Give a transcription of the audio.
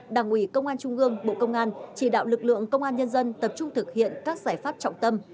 đảng ủy công an trung gương bộ công an chỉ đạo lực lượng công an nhân dân tập trung thực hiện các giải pháp trọng tâm